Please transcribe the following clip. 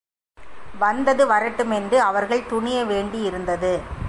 வந்தது வரட்டும் என்று அவர்கள் துணிய வேண்டியிருந்தது.